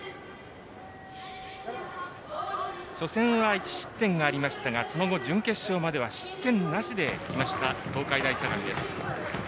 初戦は１失点がありましたがその後、準決勝までは失点なしできました東海大相模です。